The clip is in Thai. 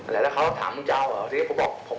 แล้วเขาถามมึงจะเอาเหรอทีนี้ผมบอกผมก็ขอโทษขอได้เขาไปแล้ว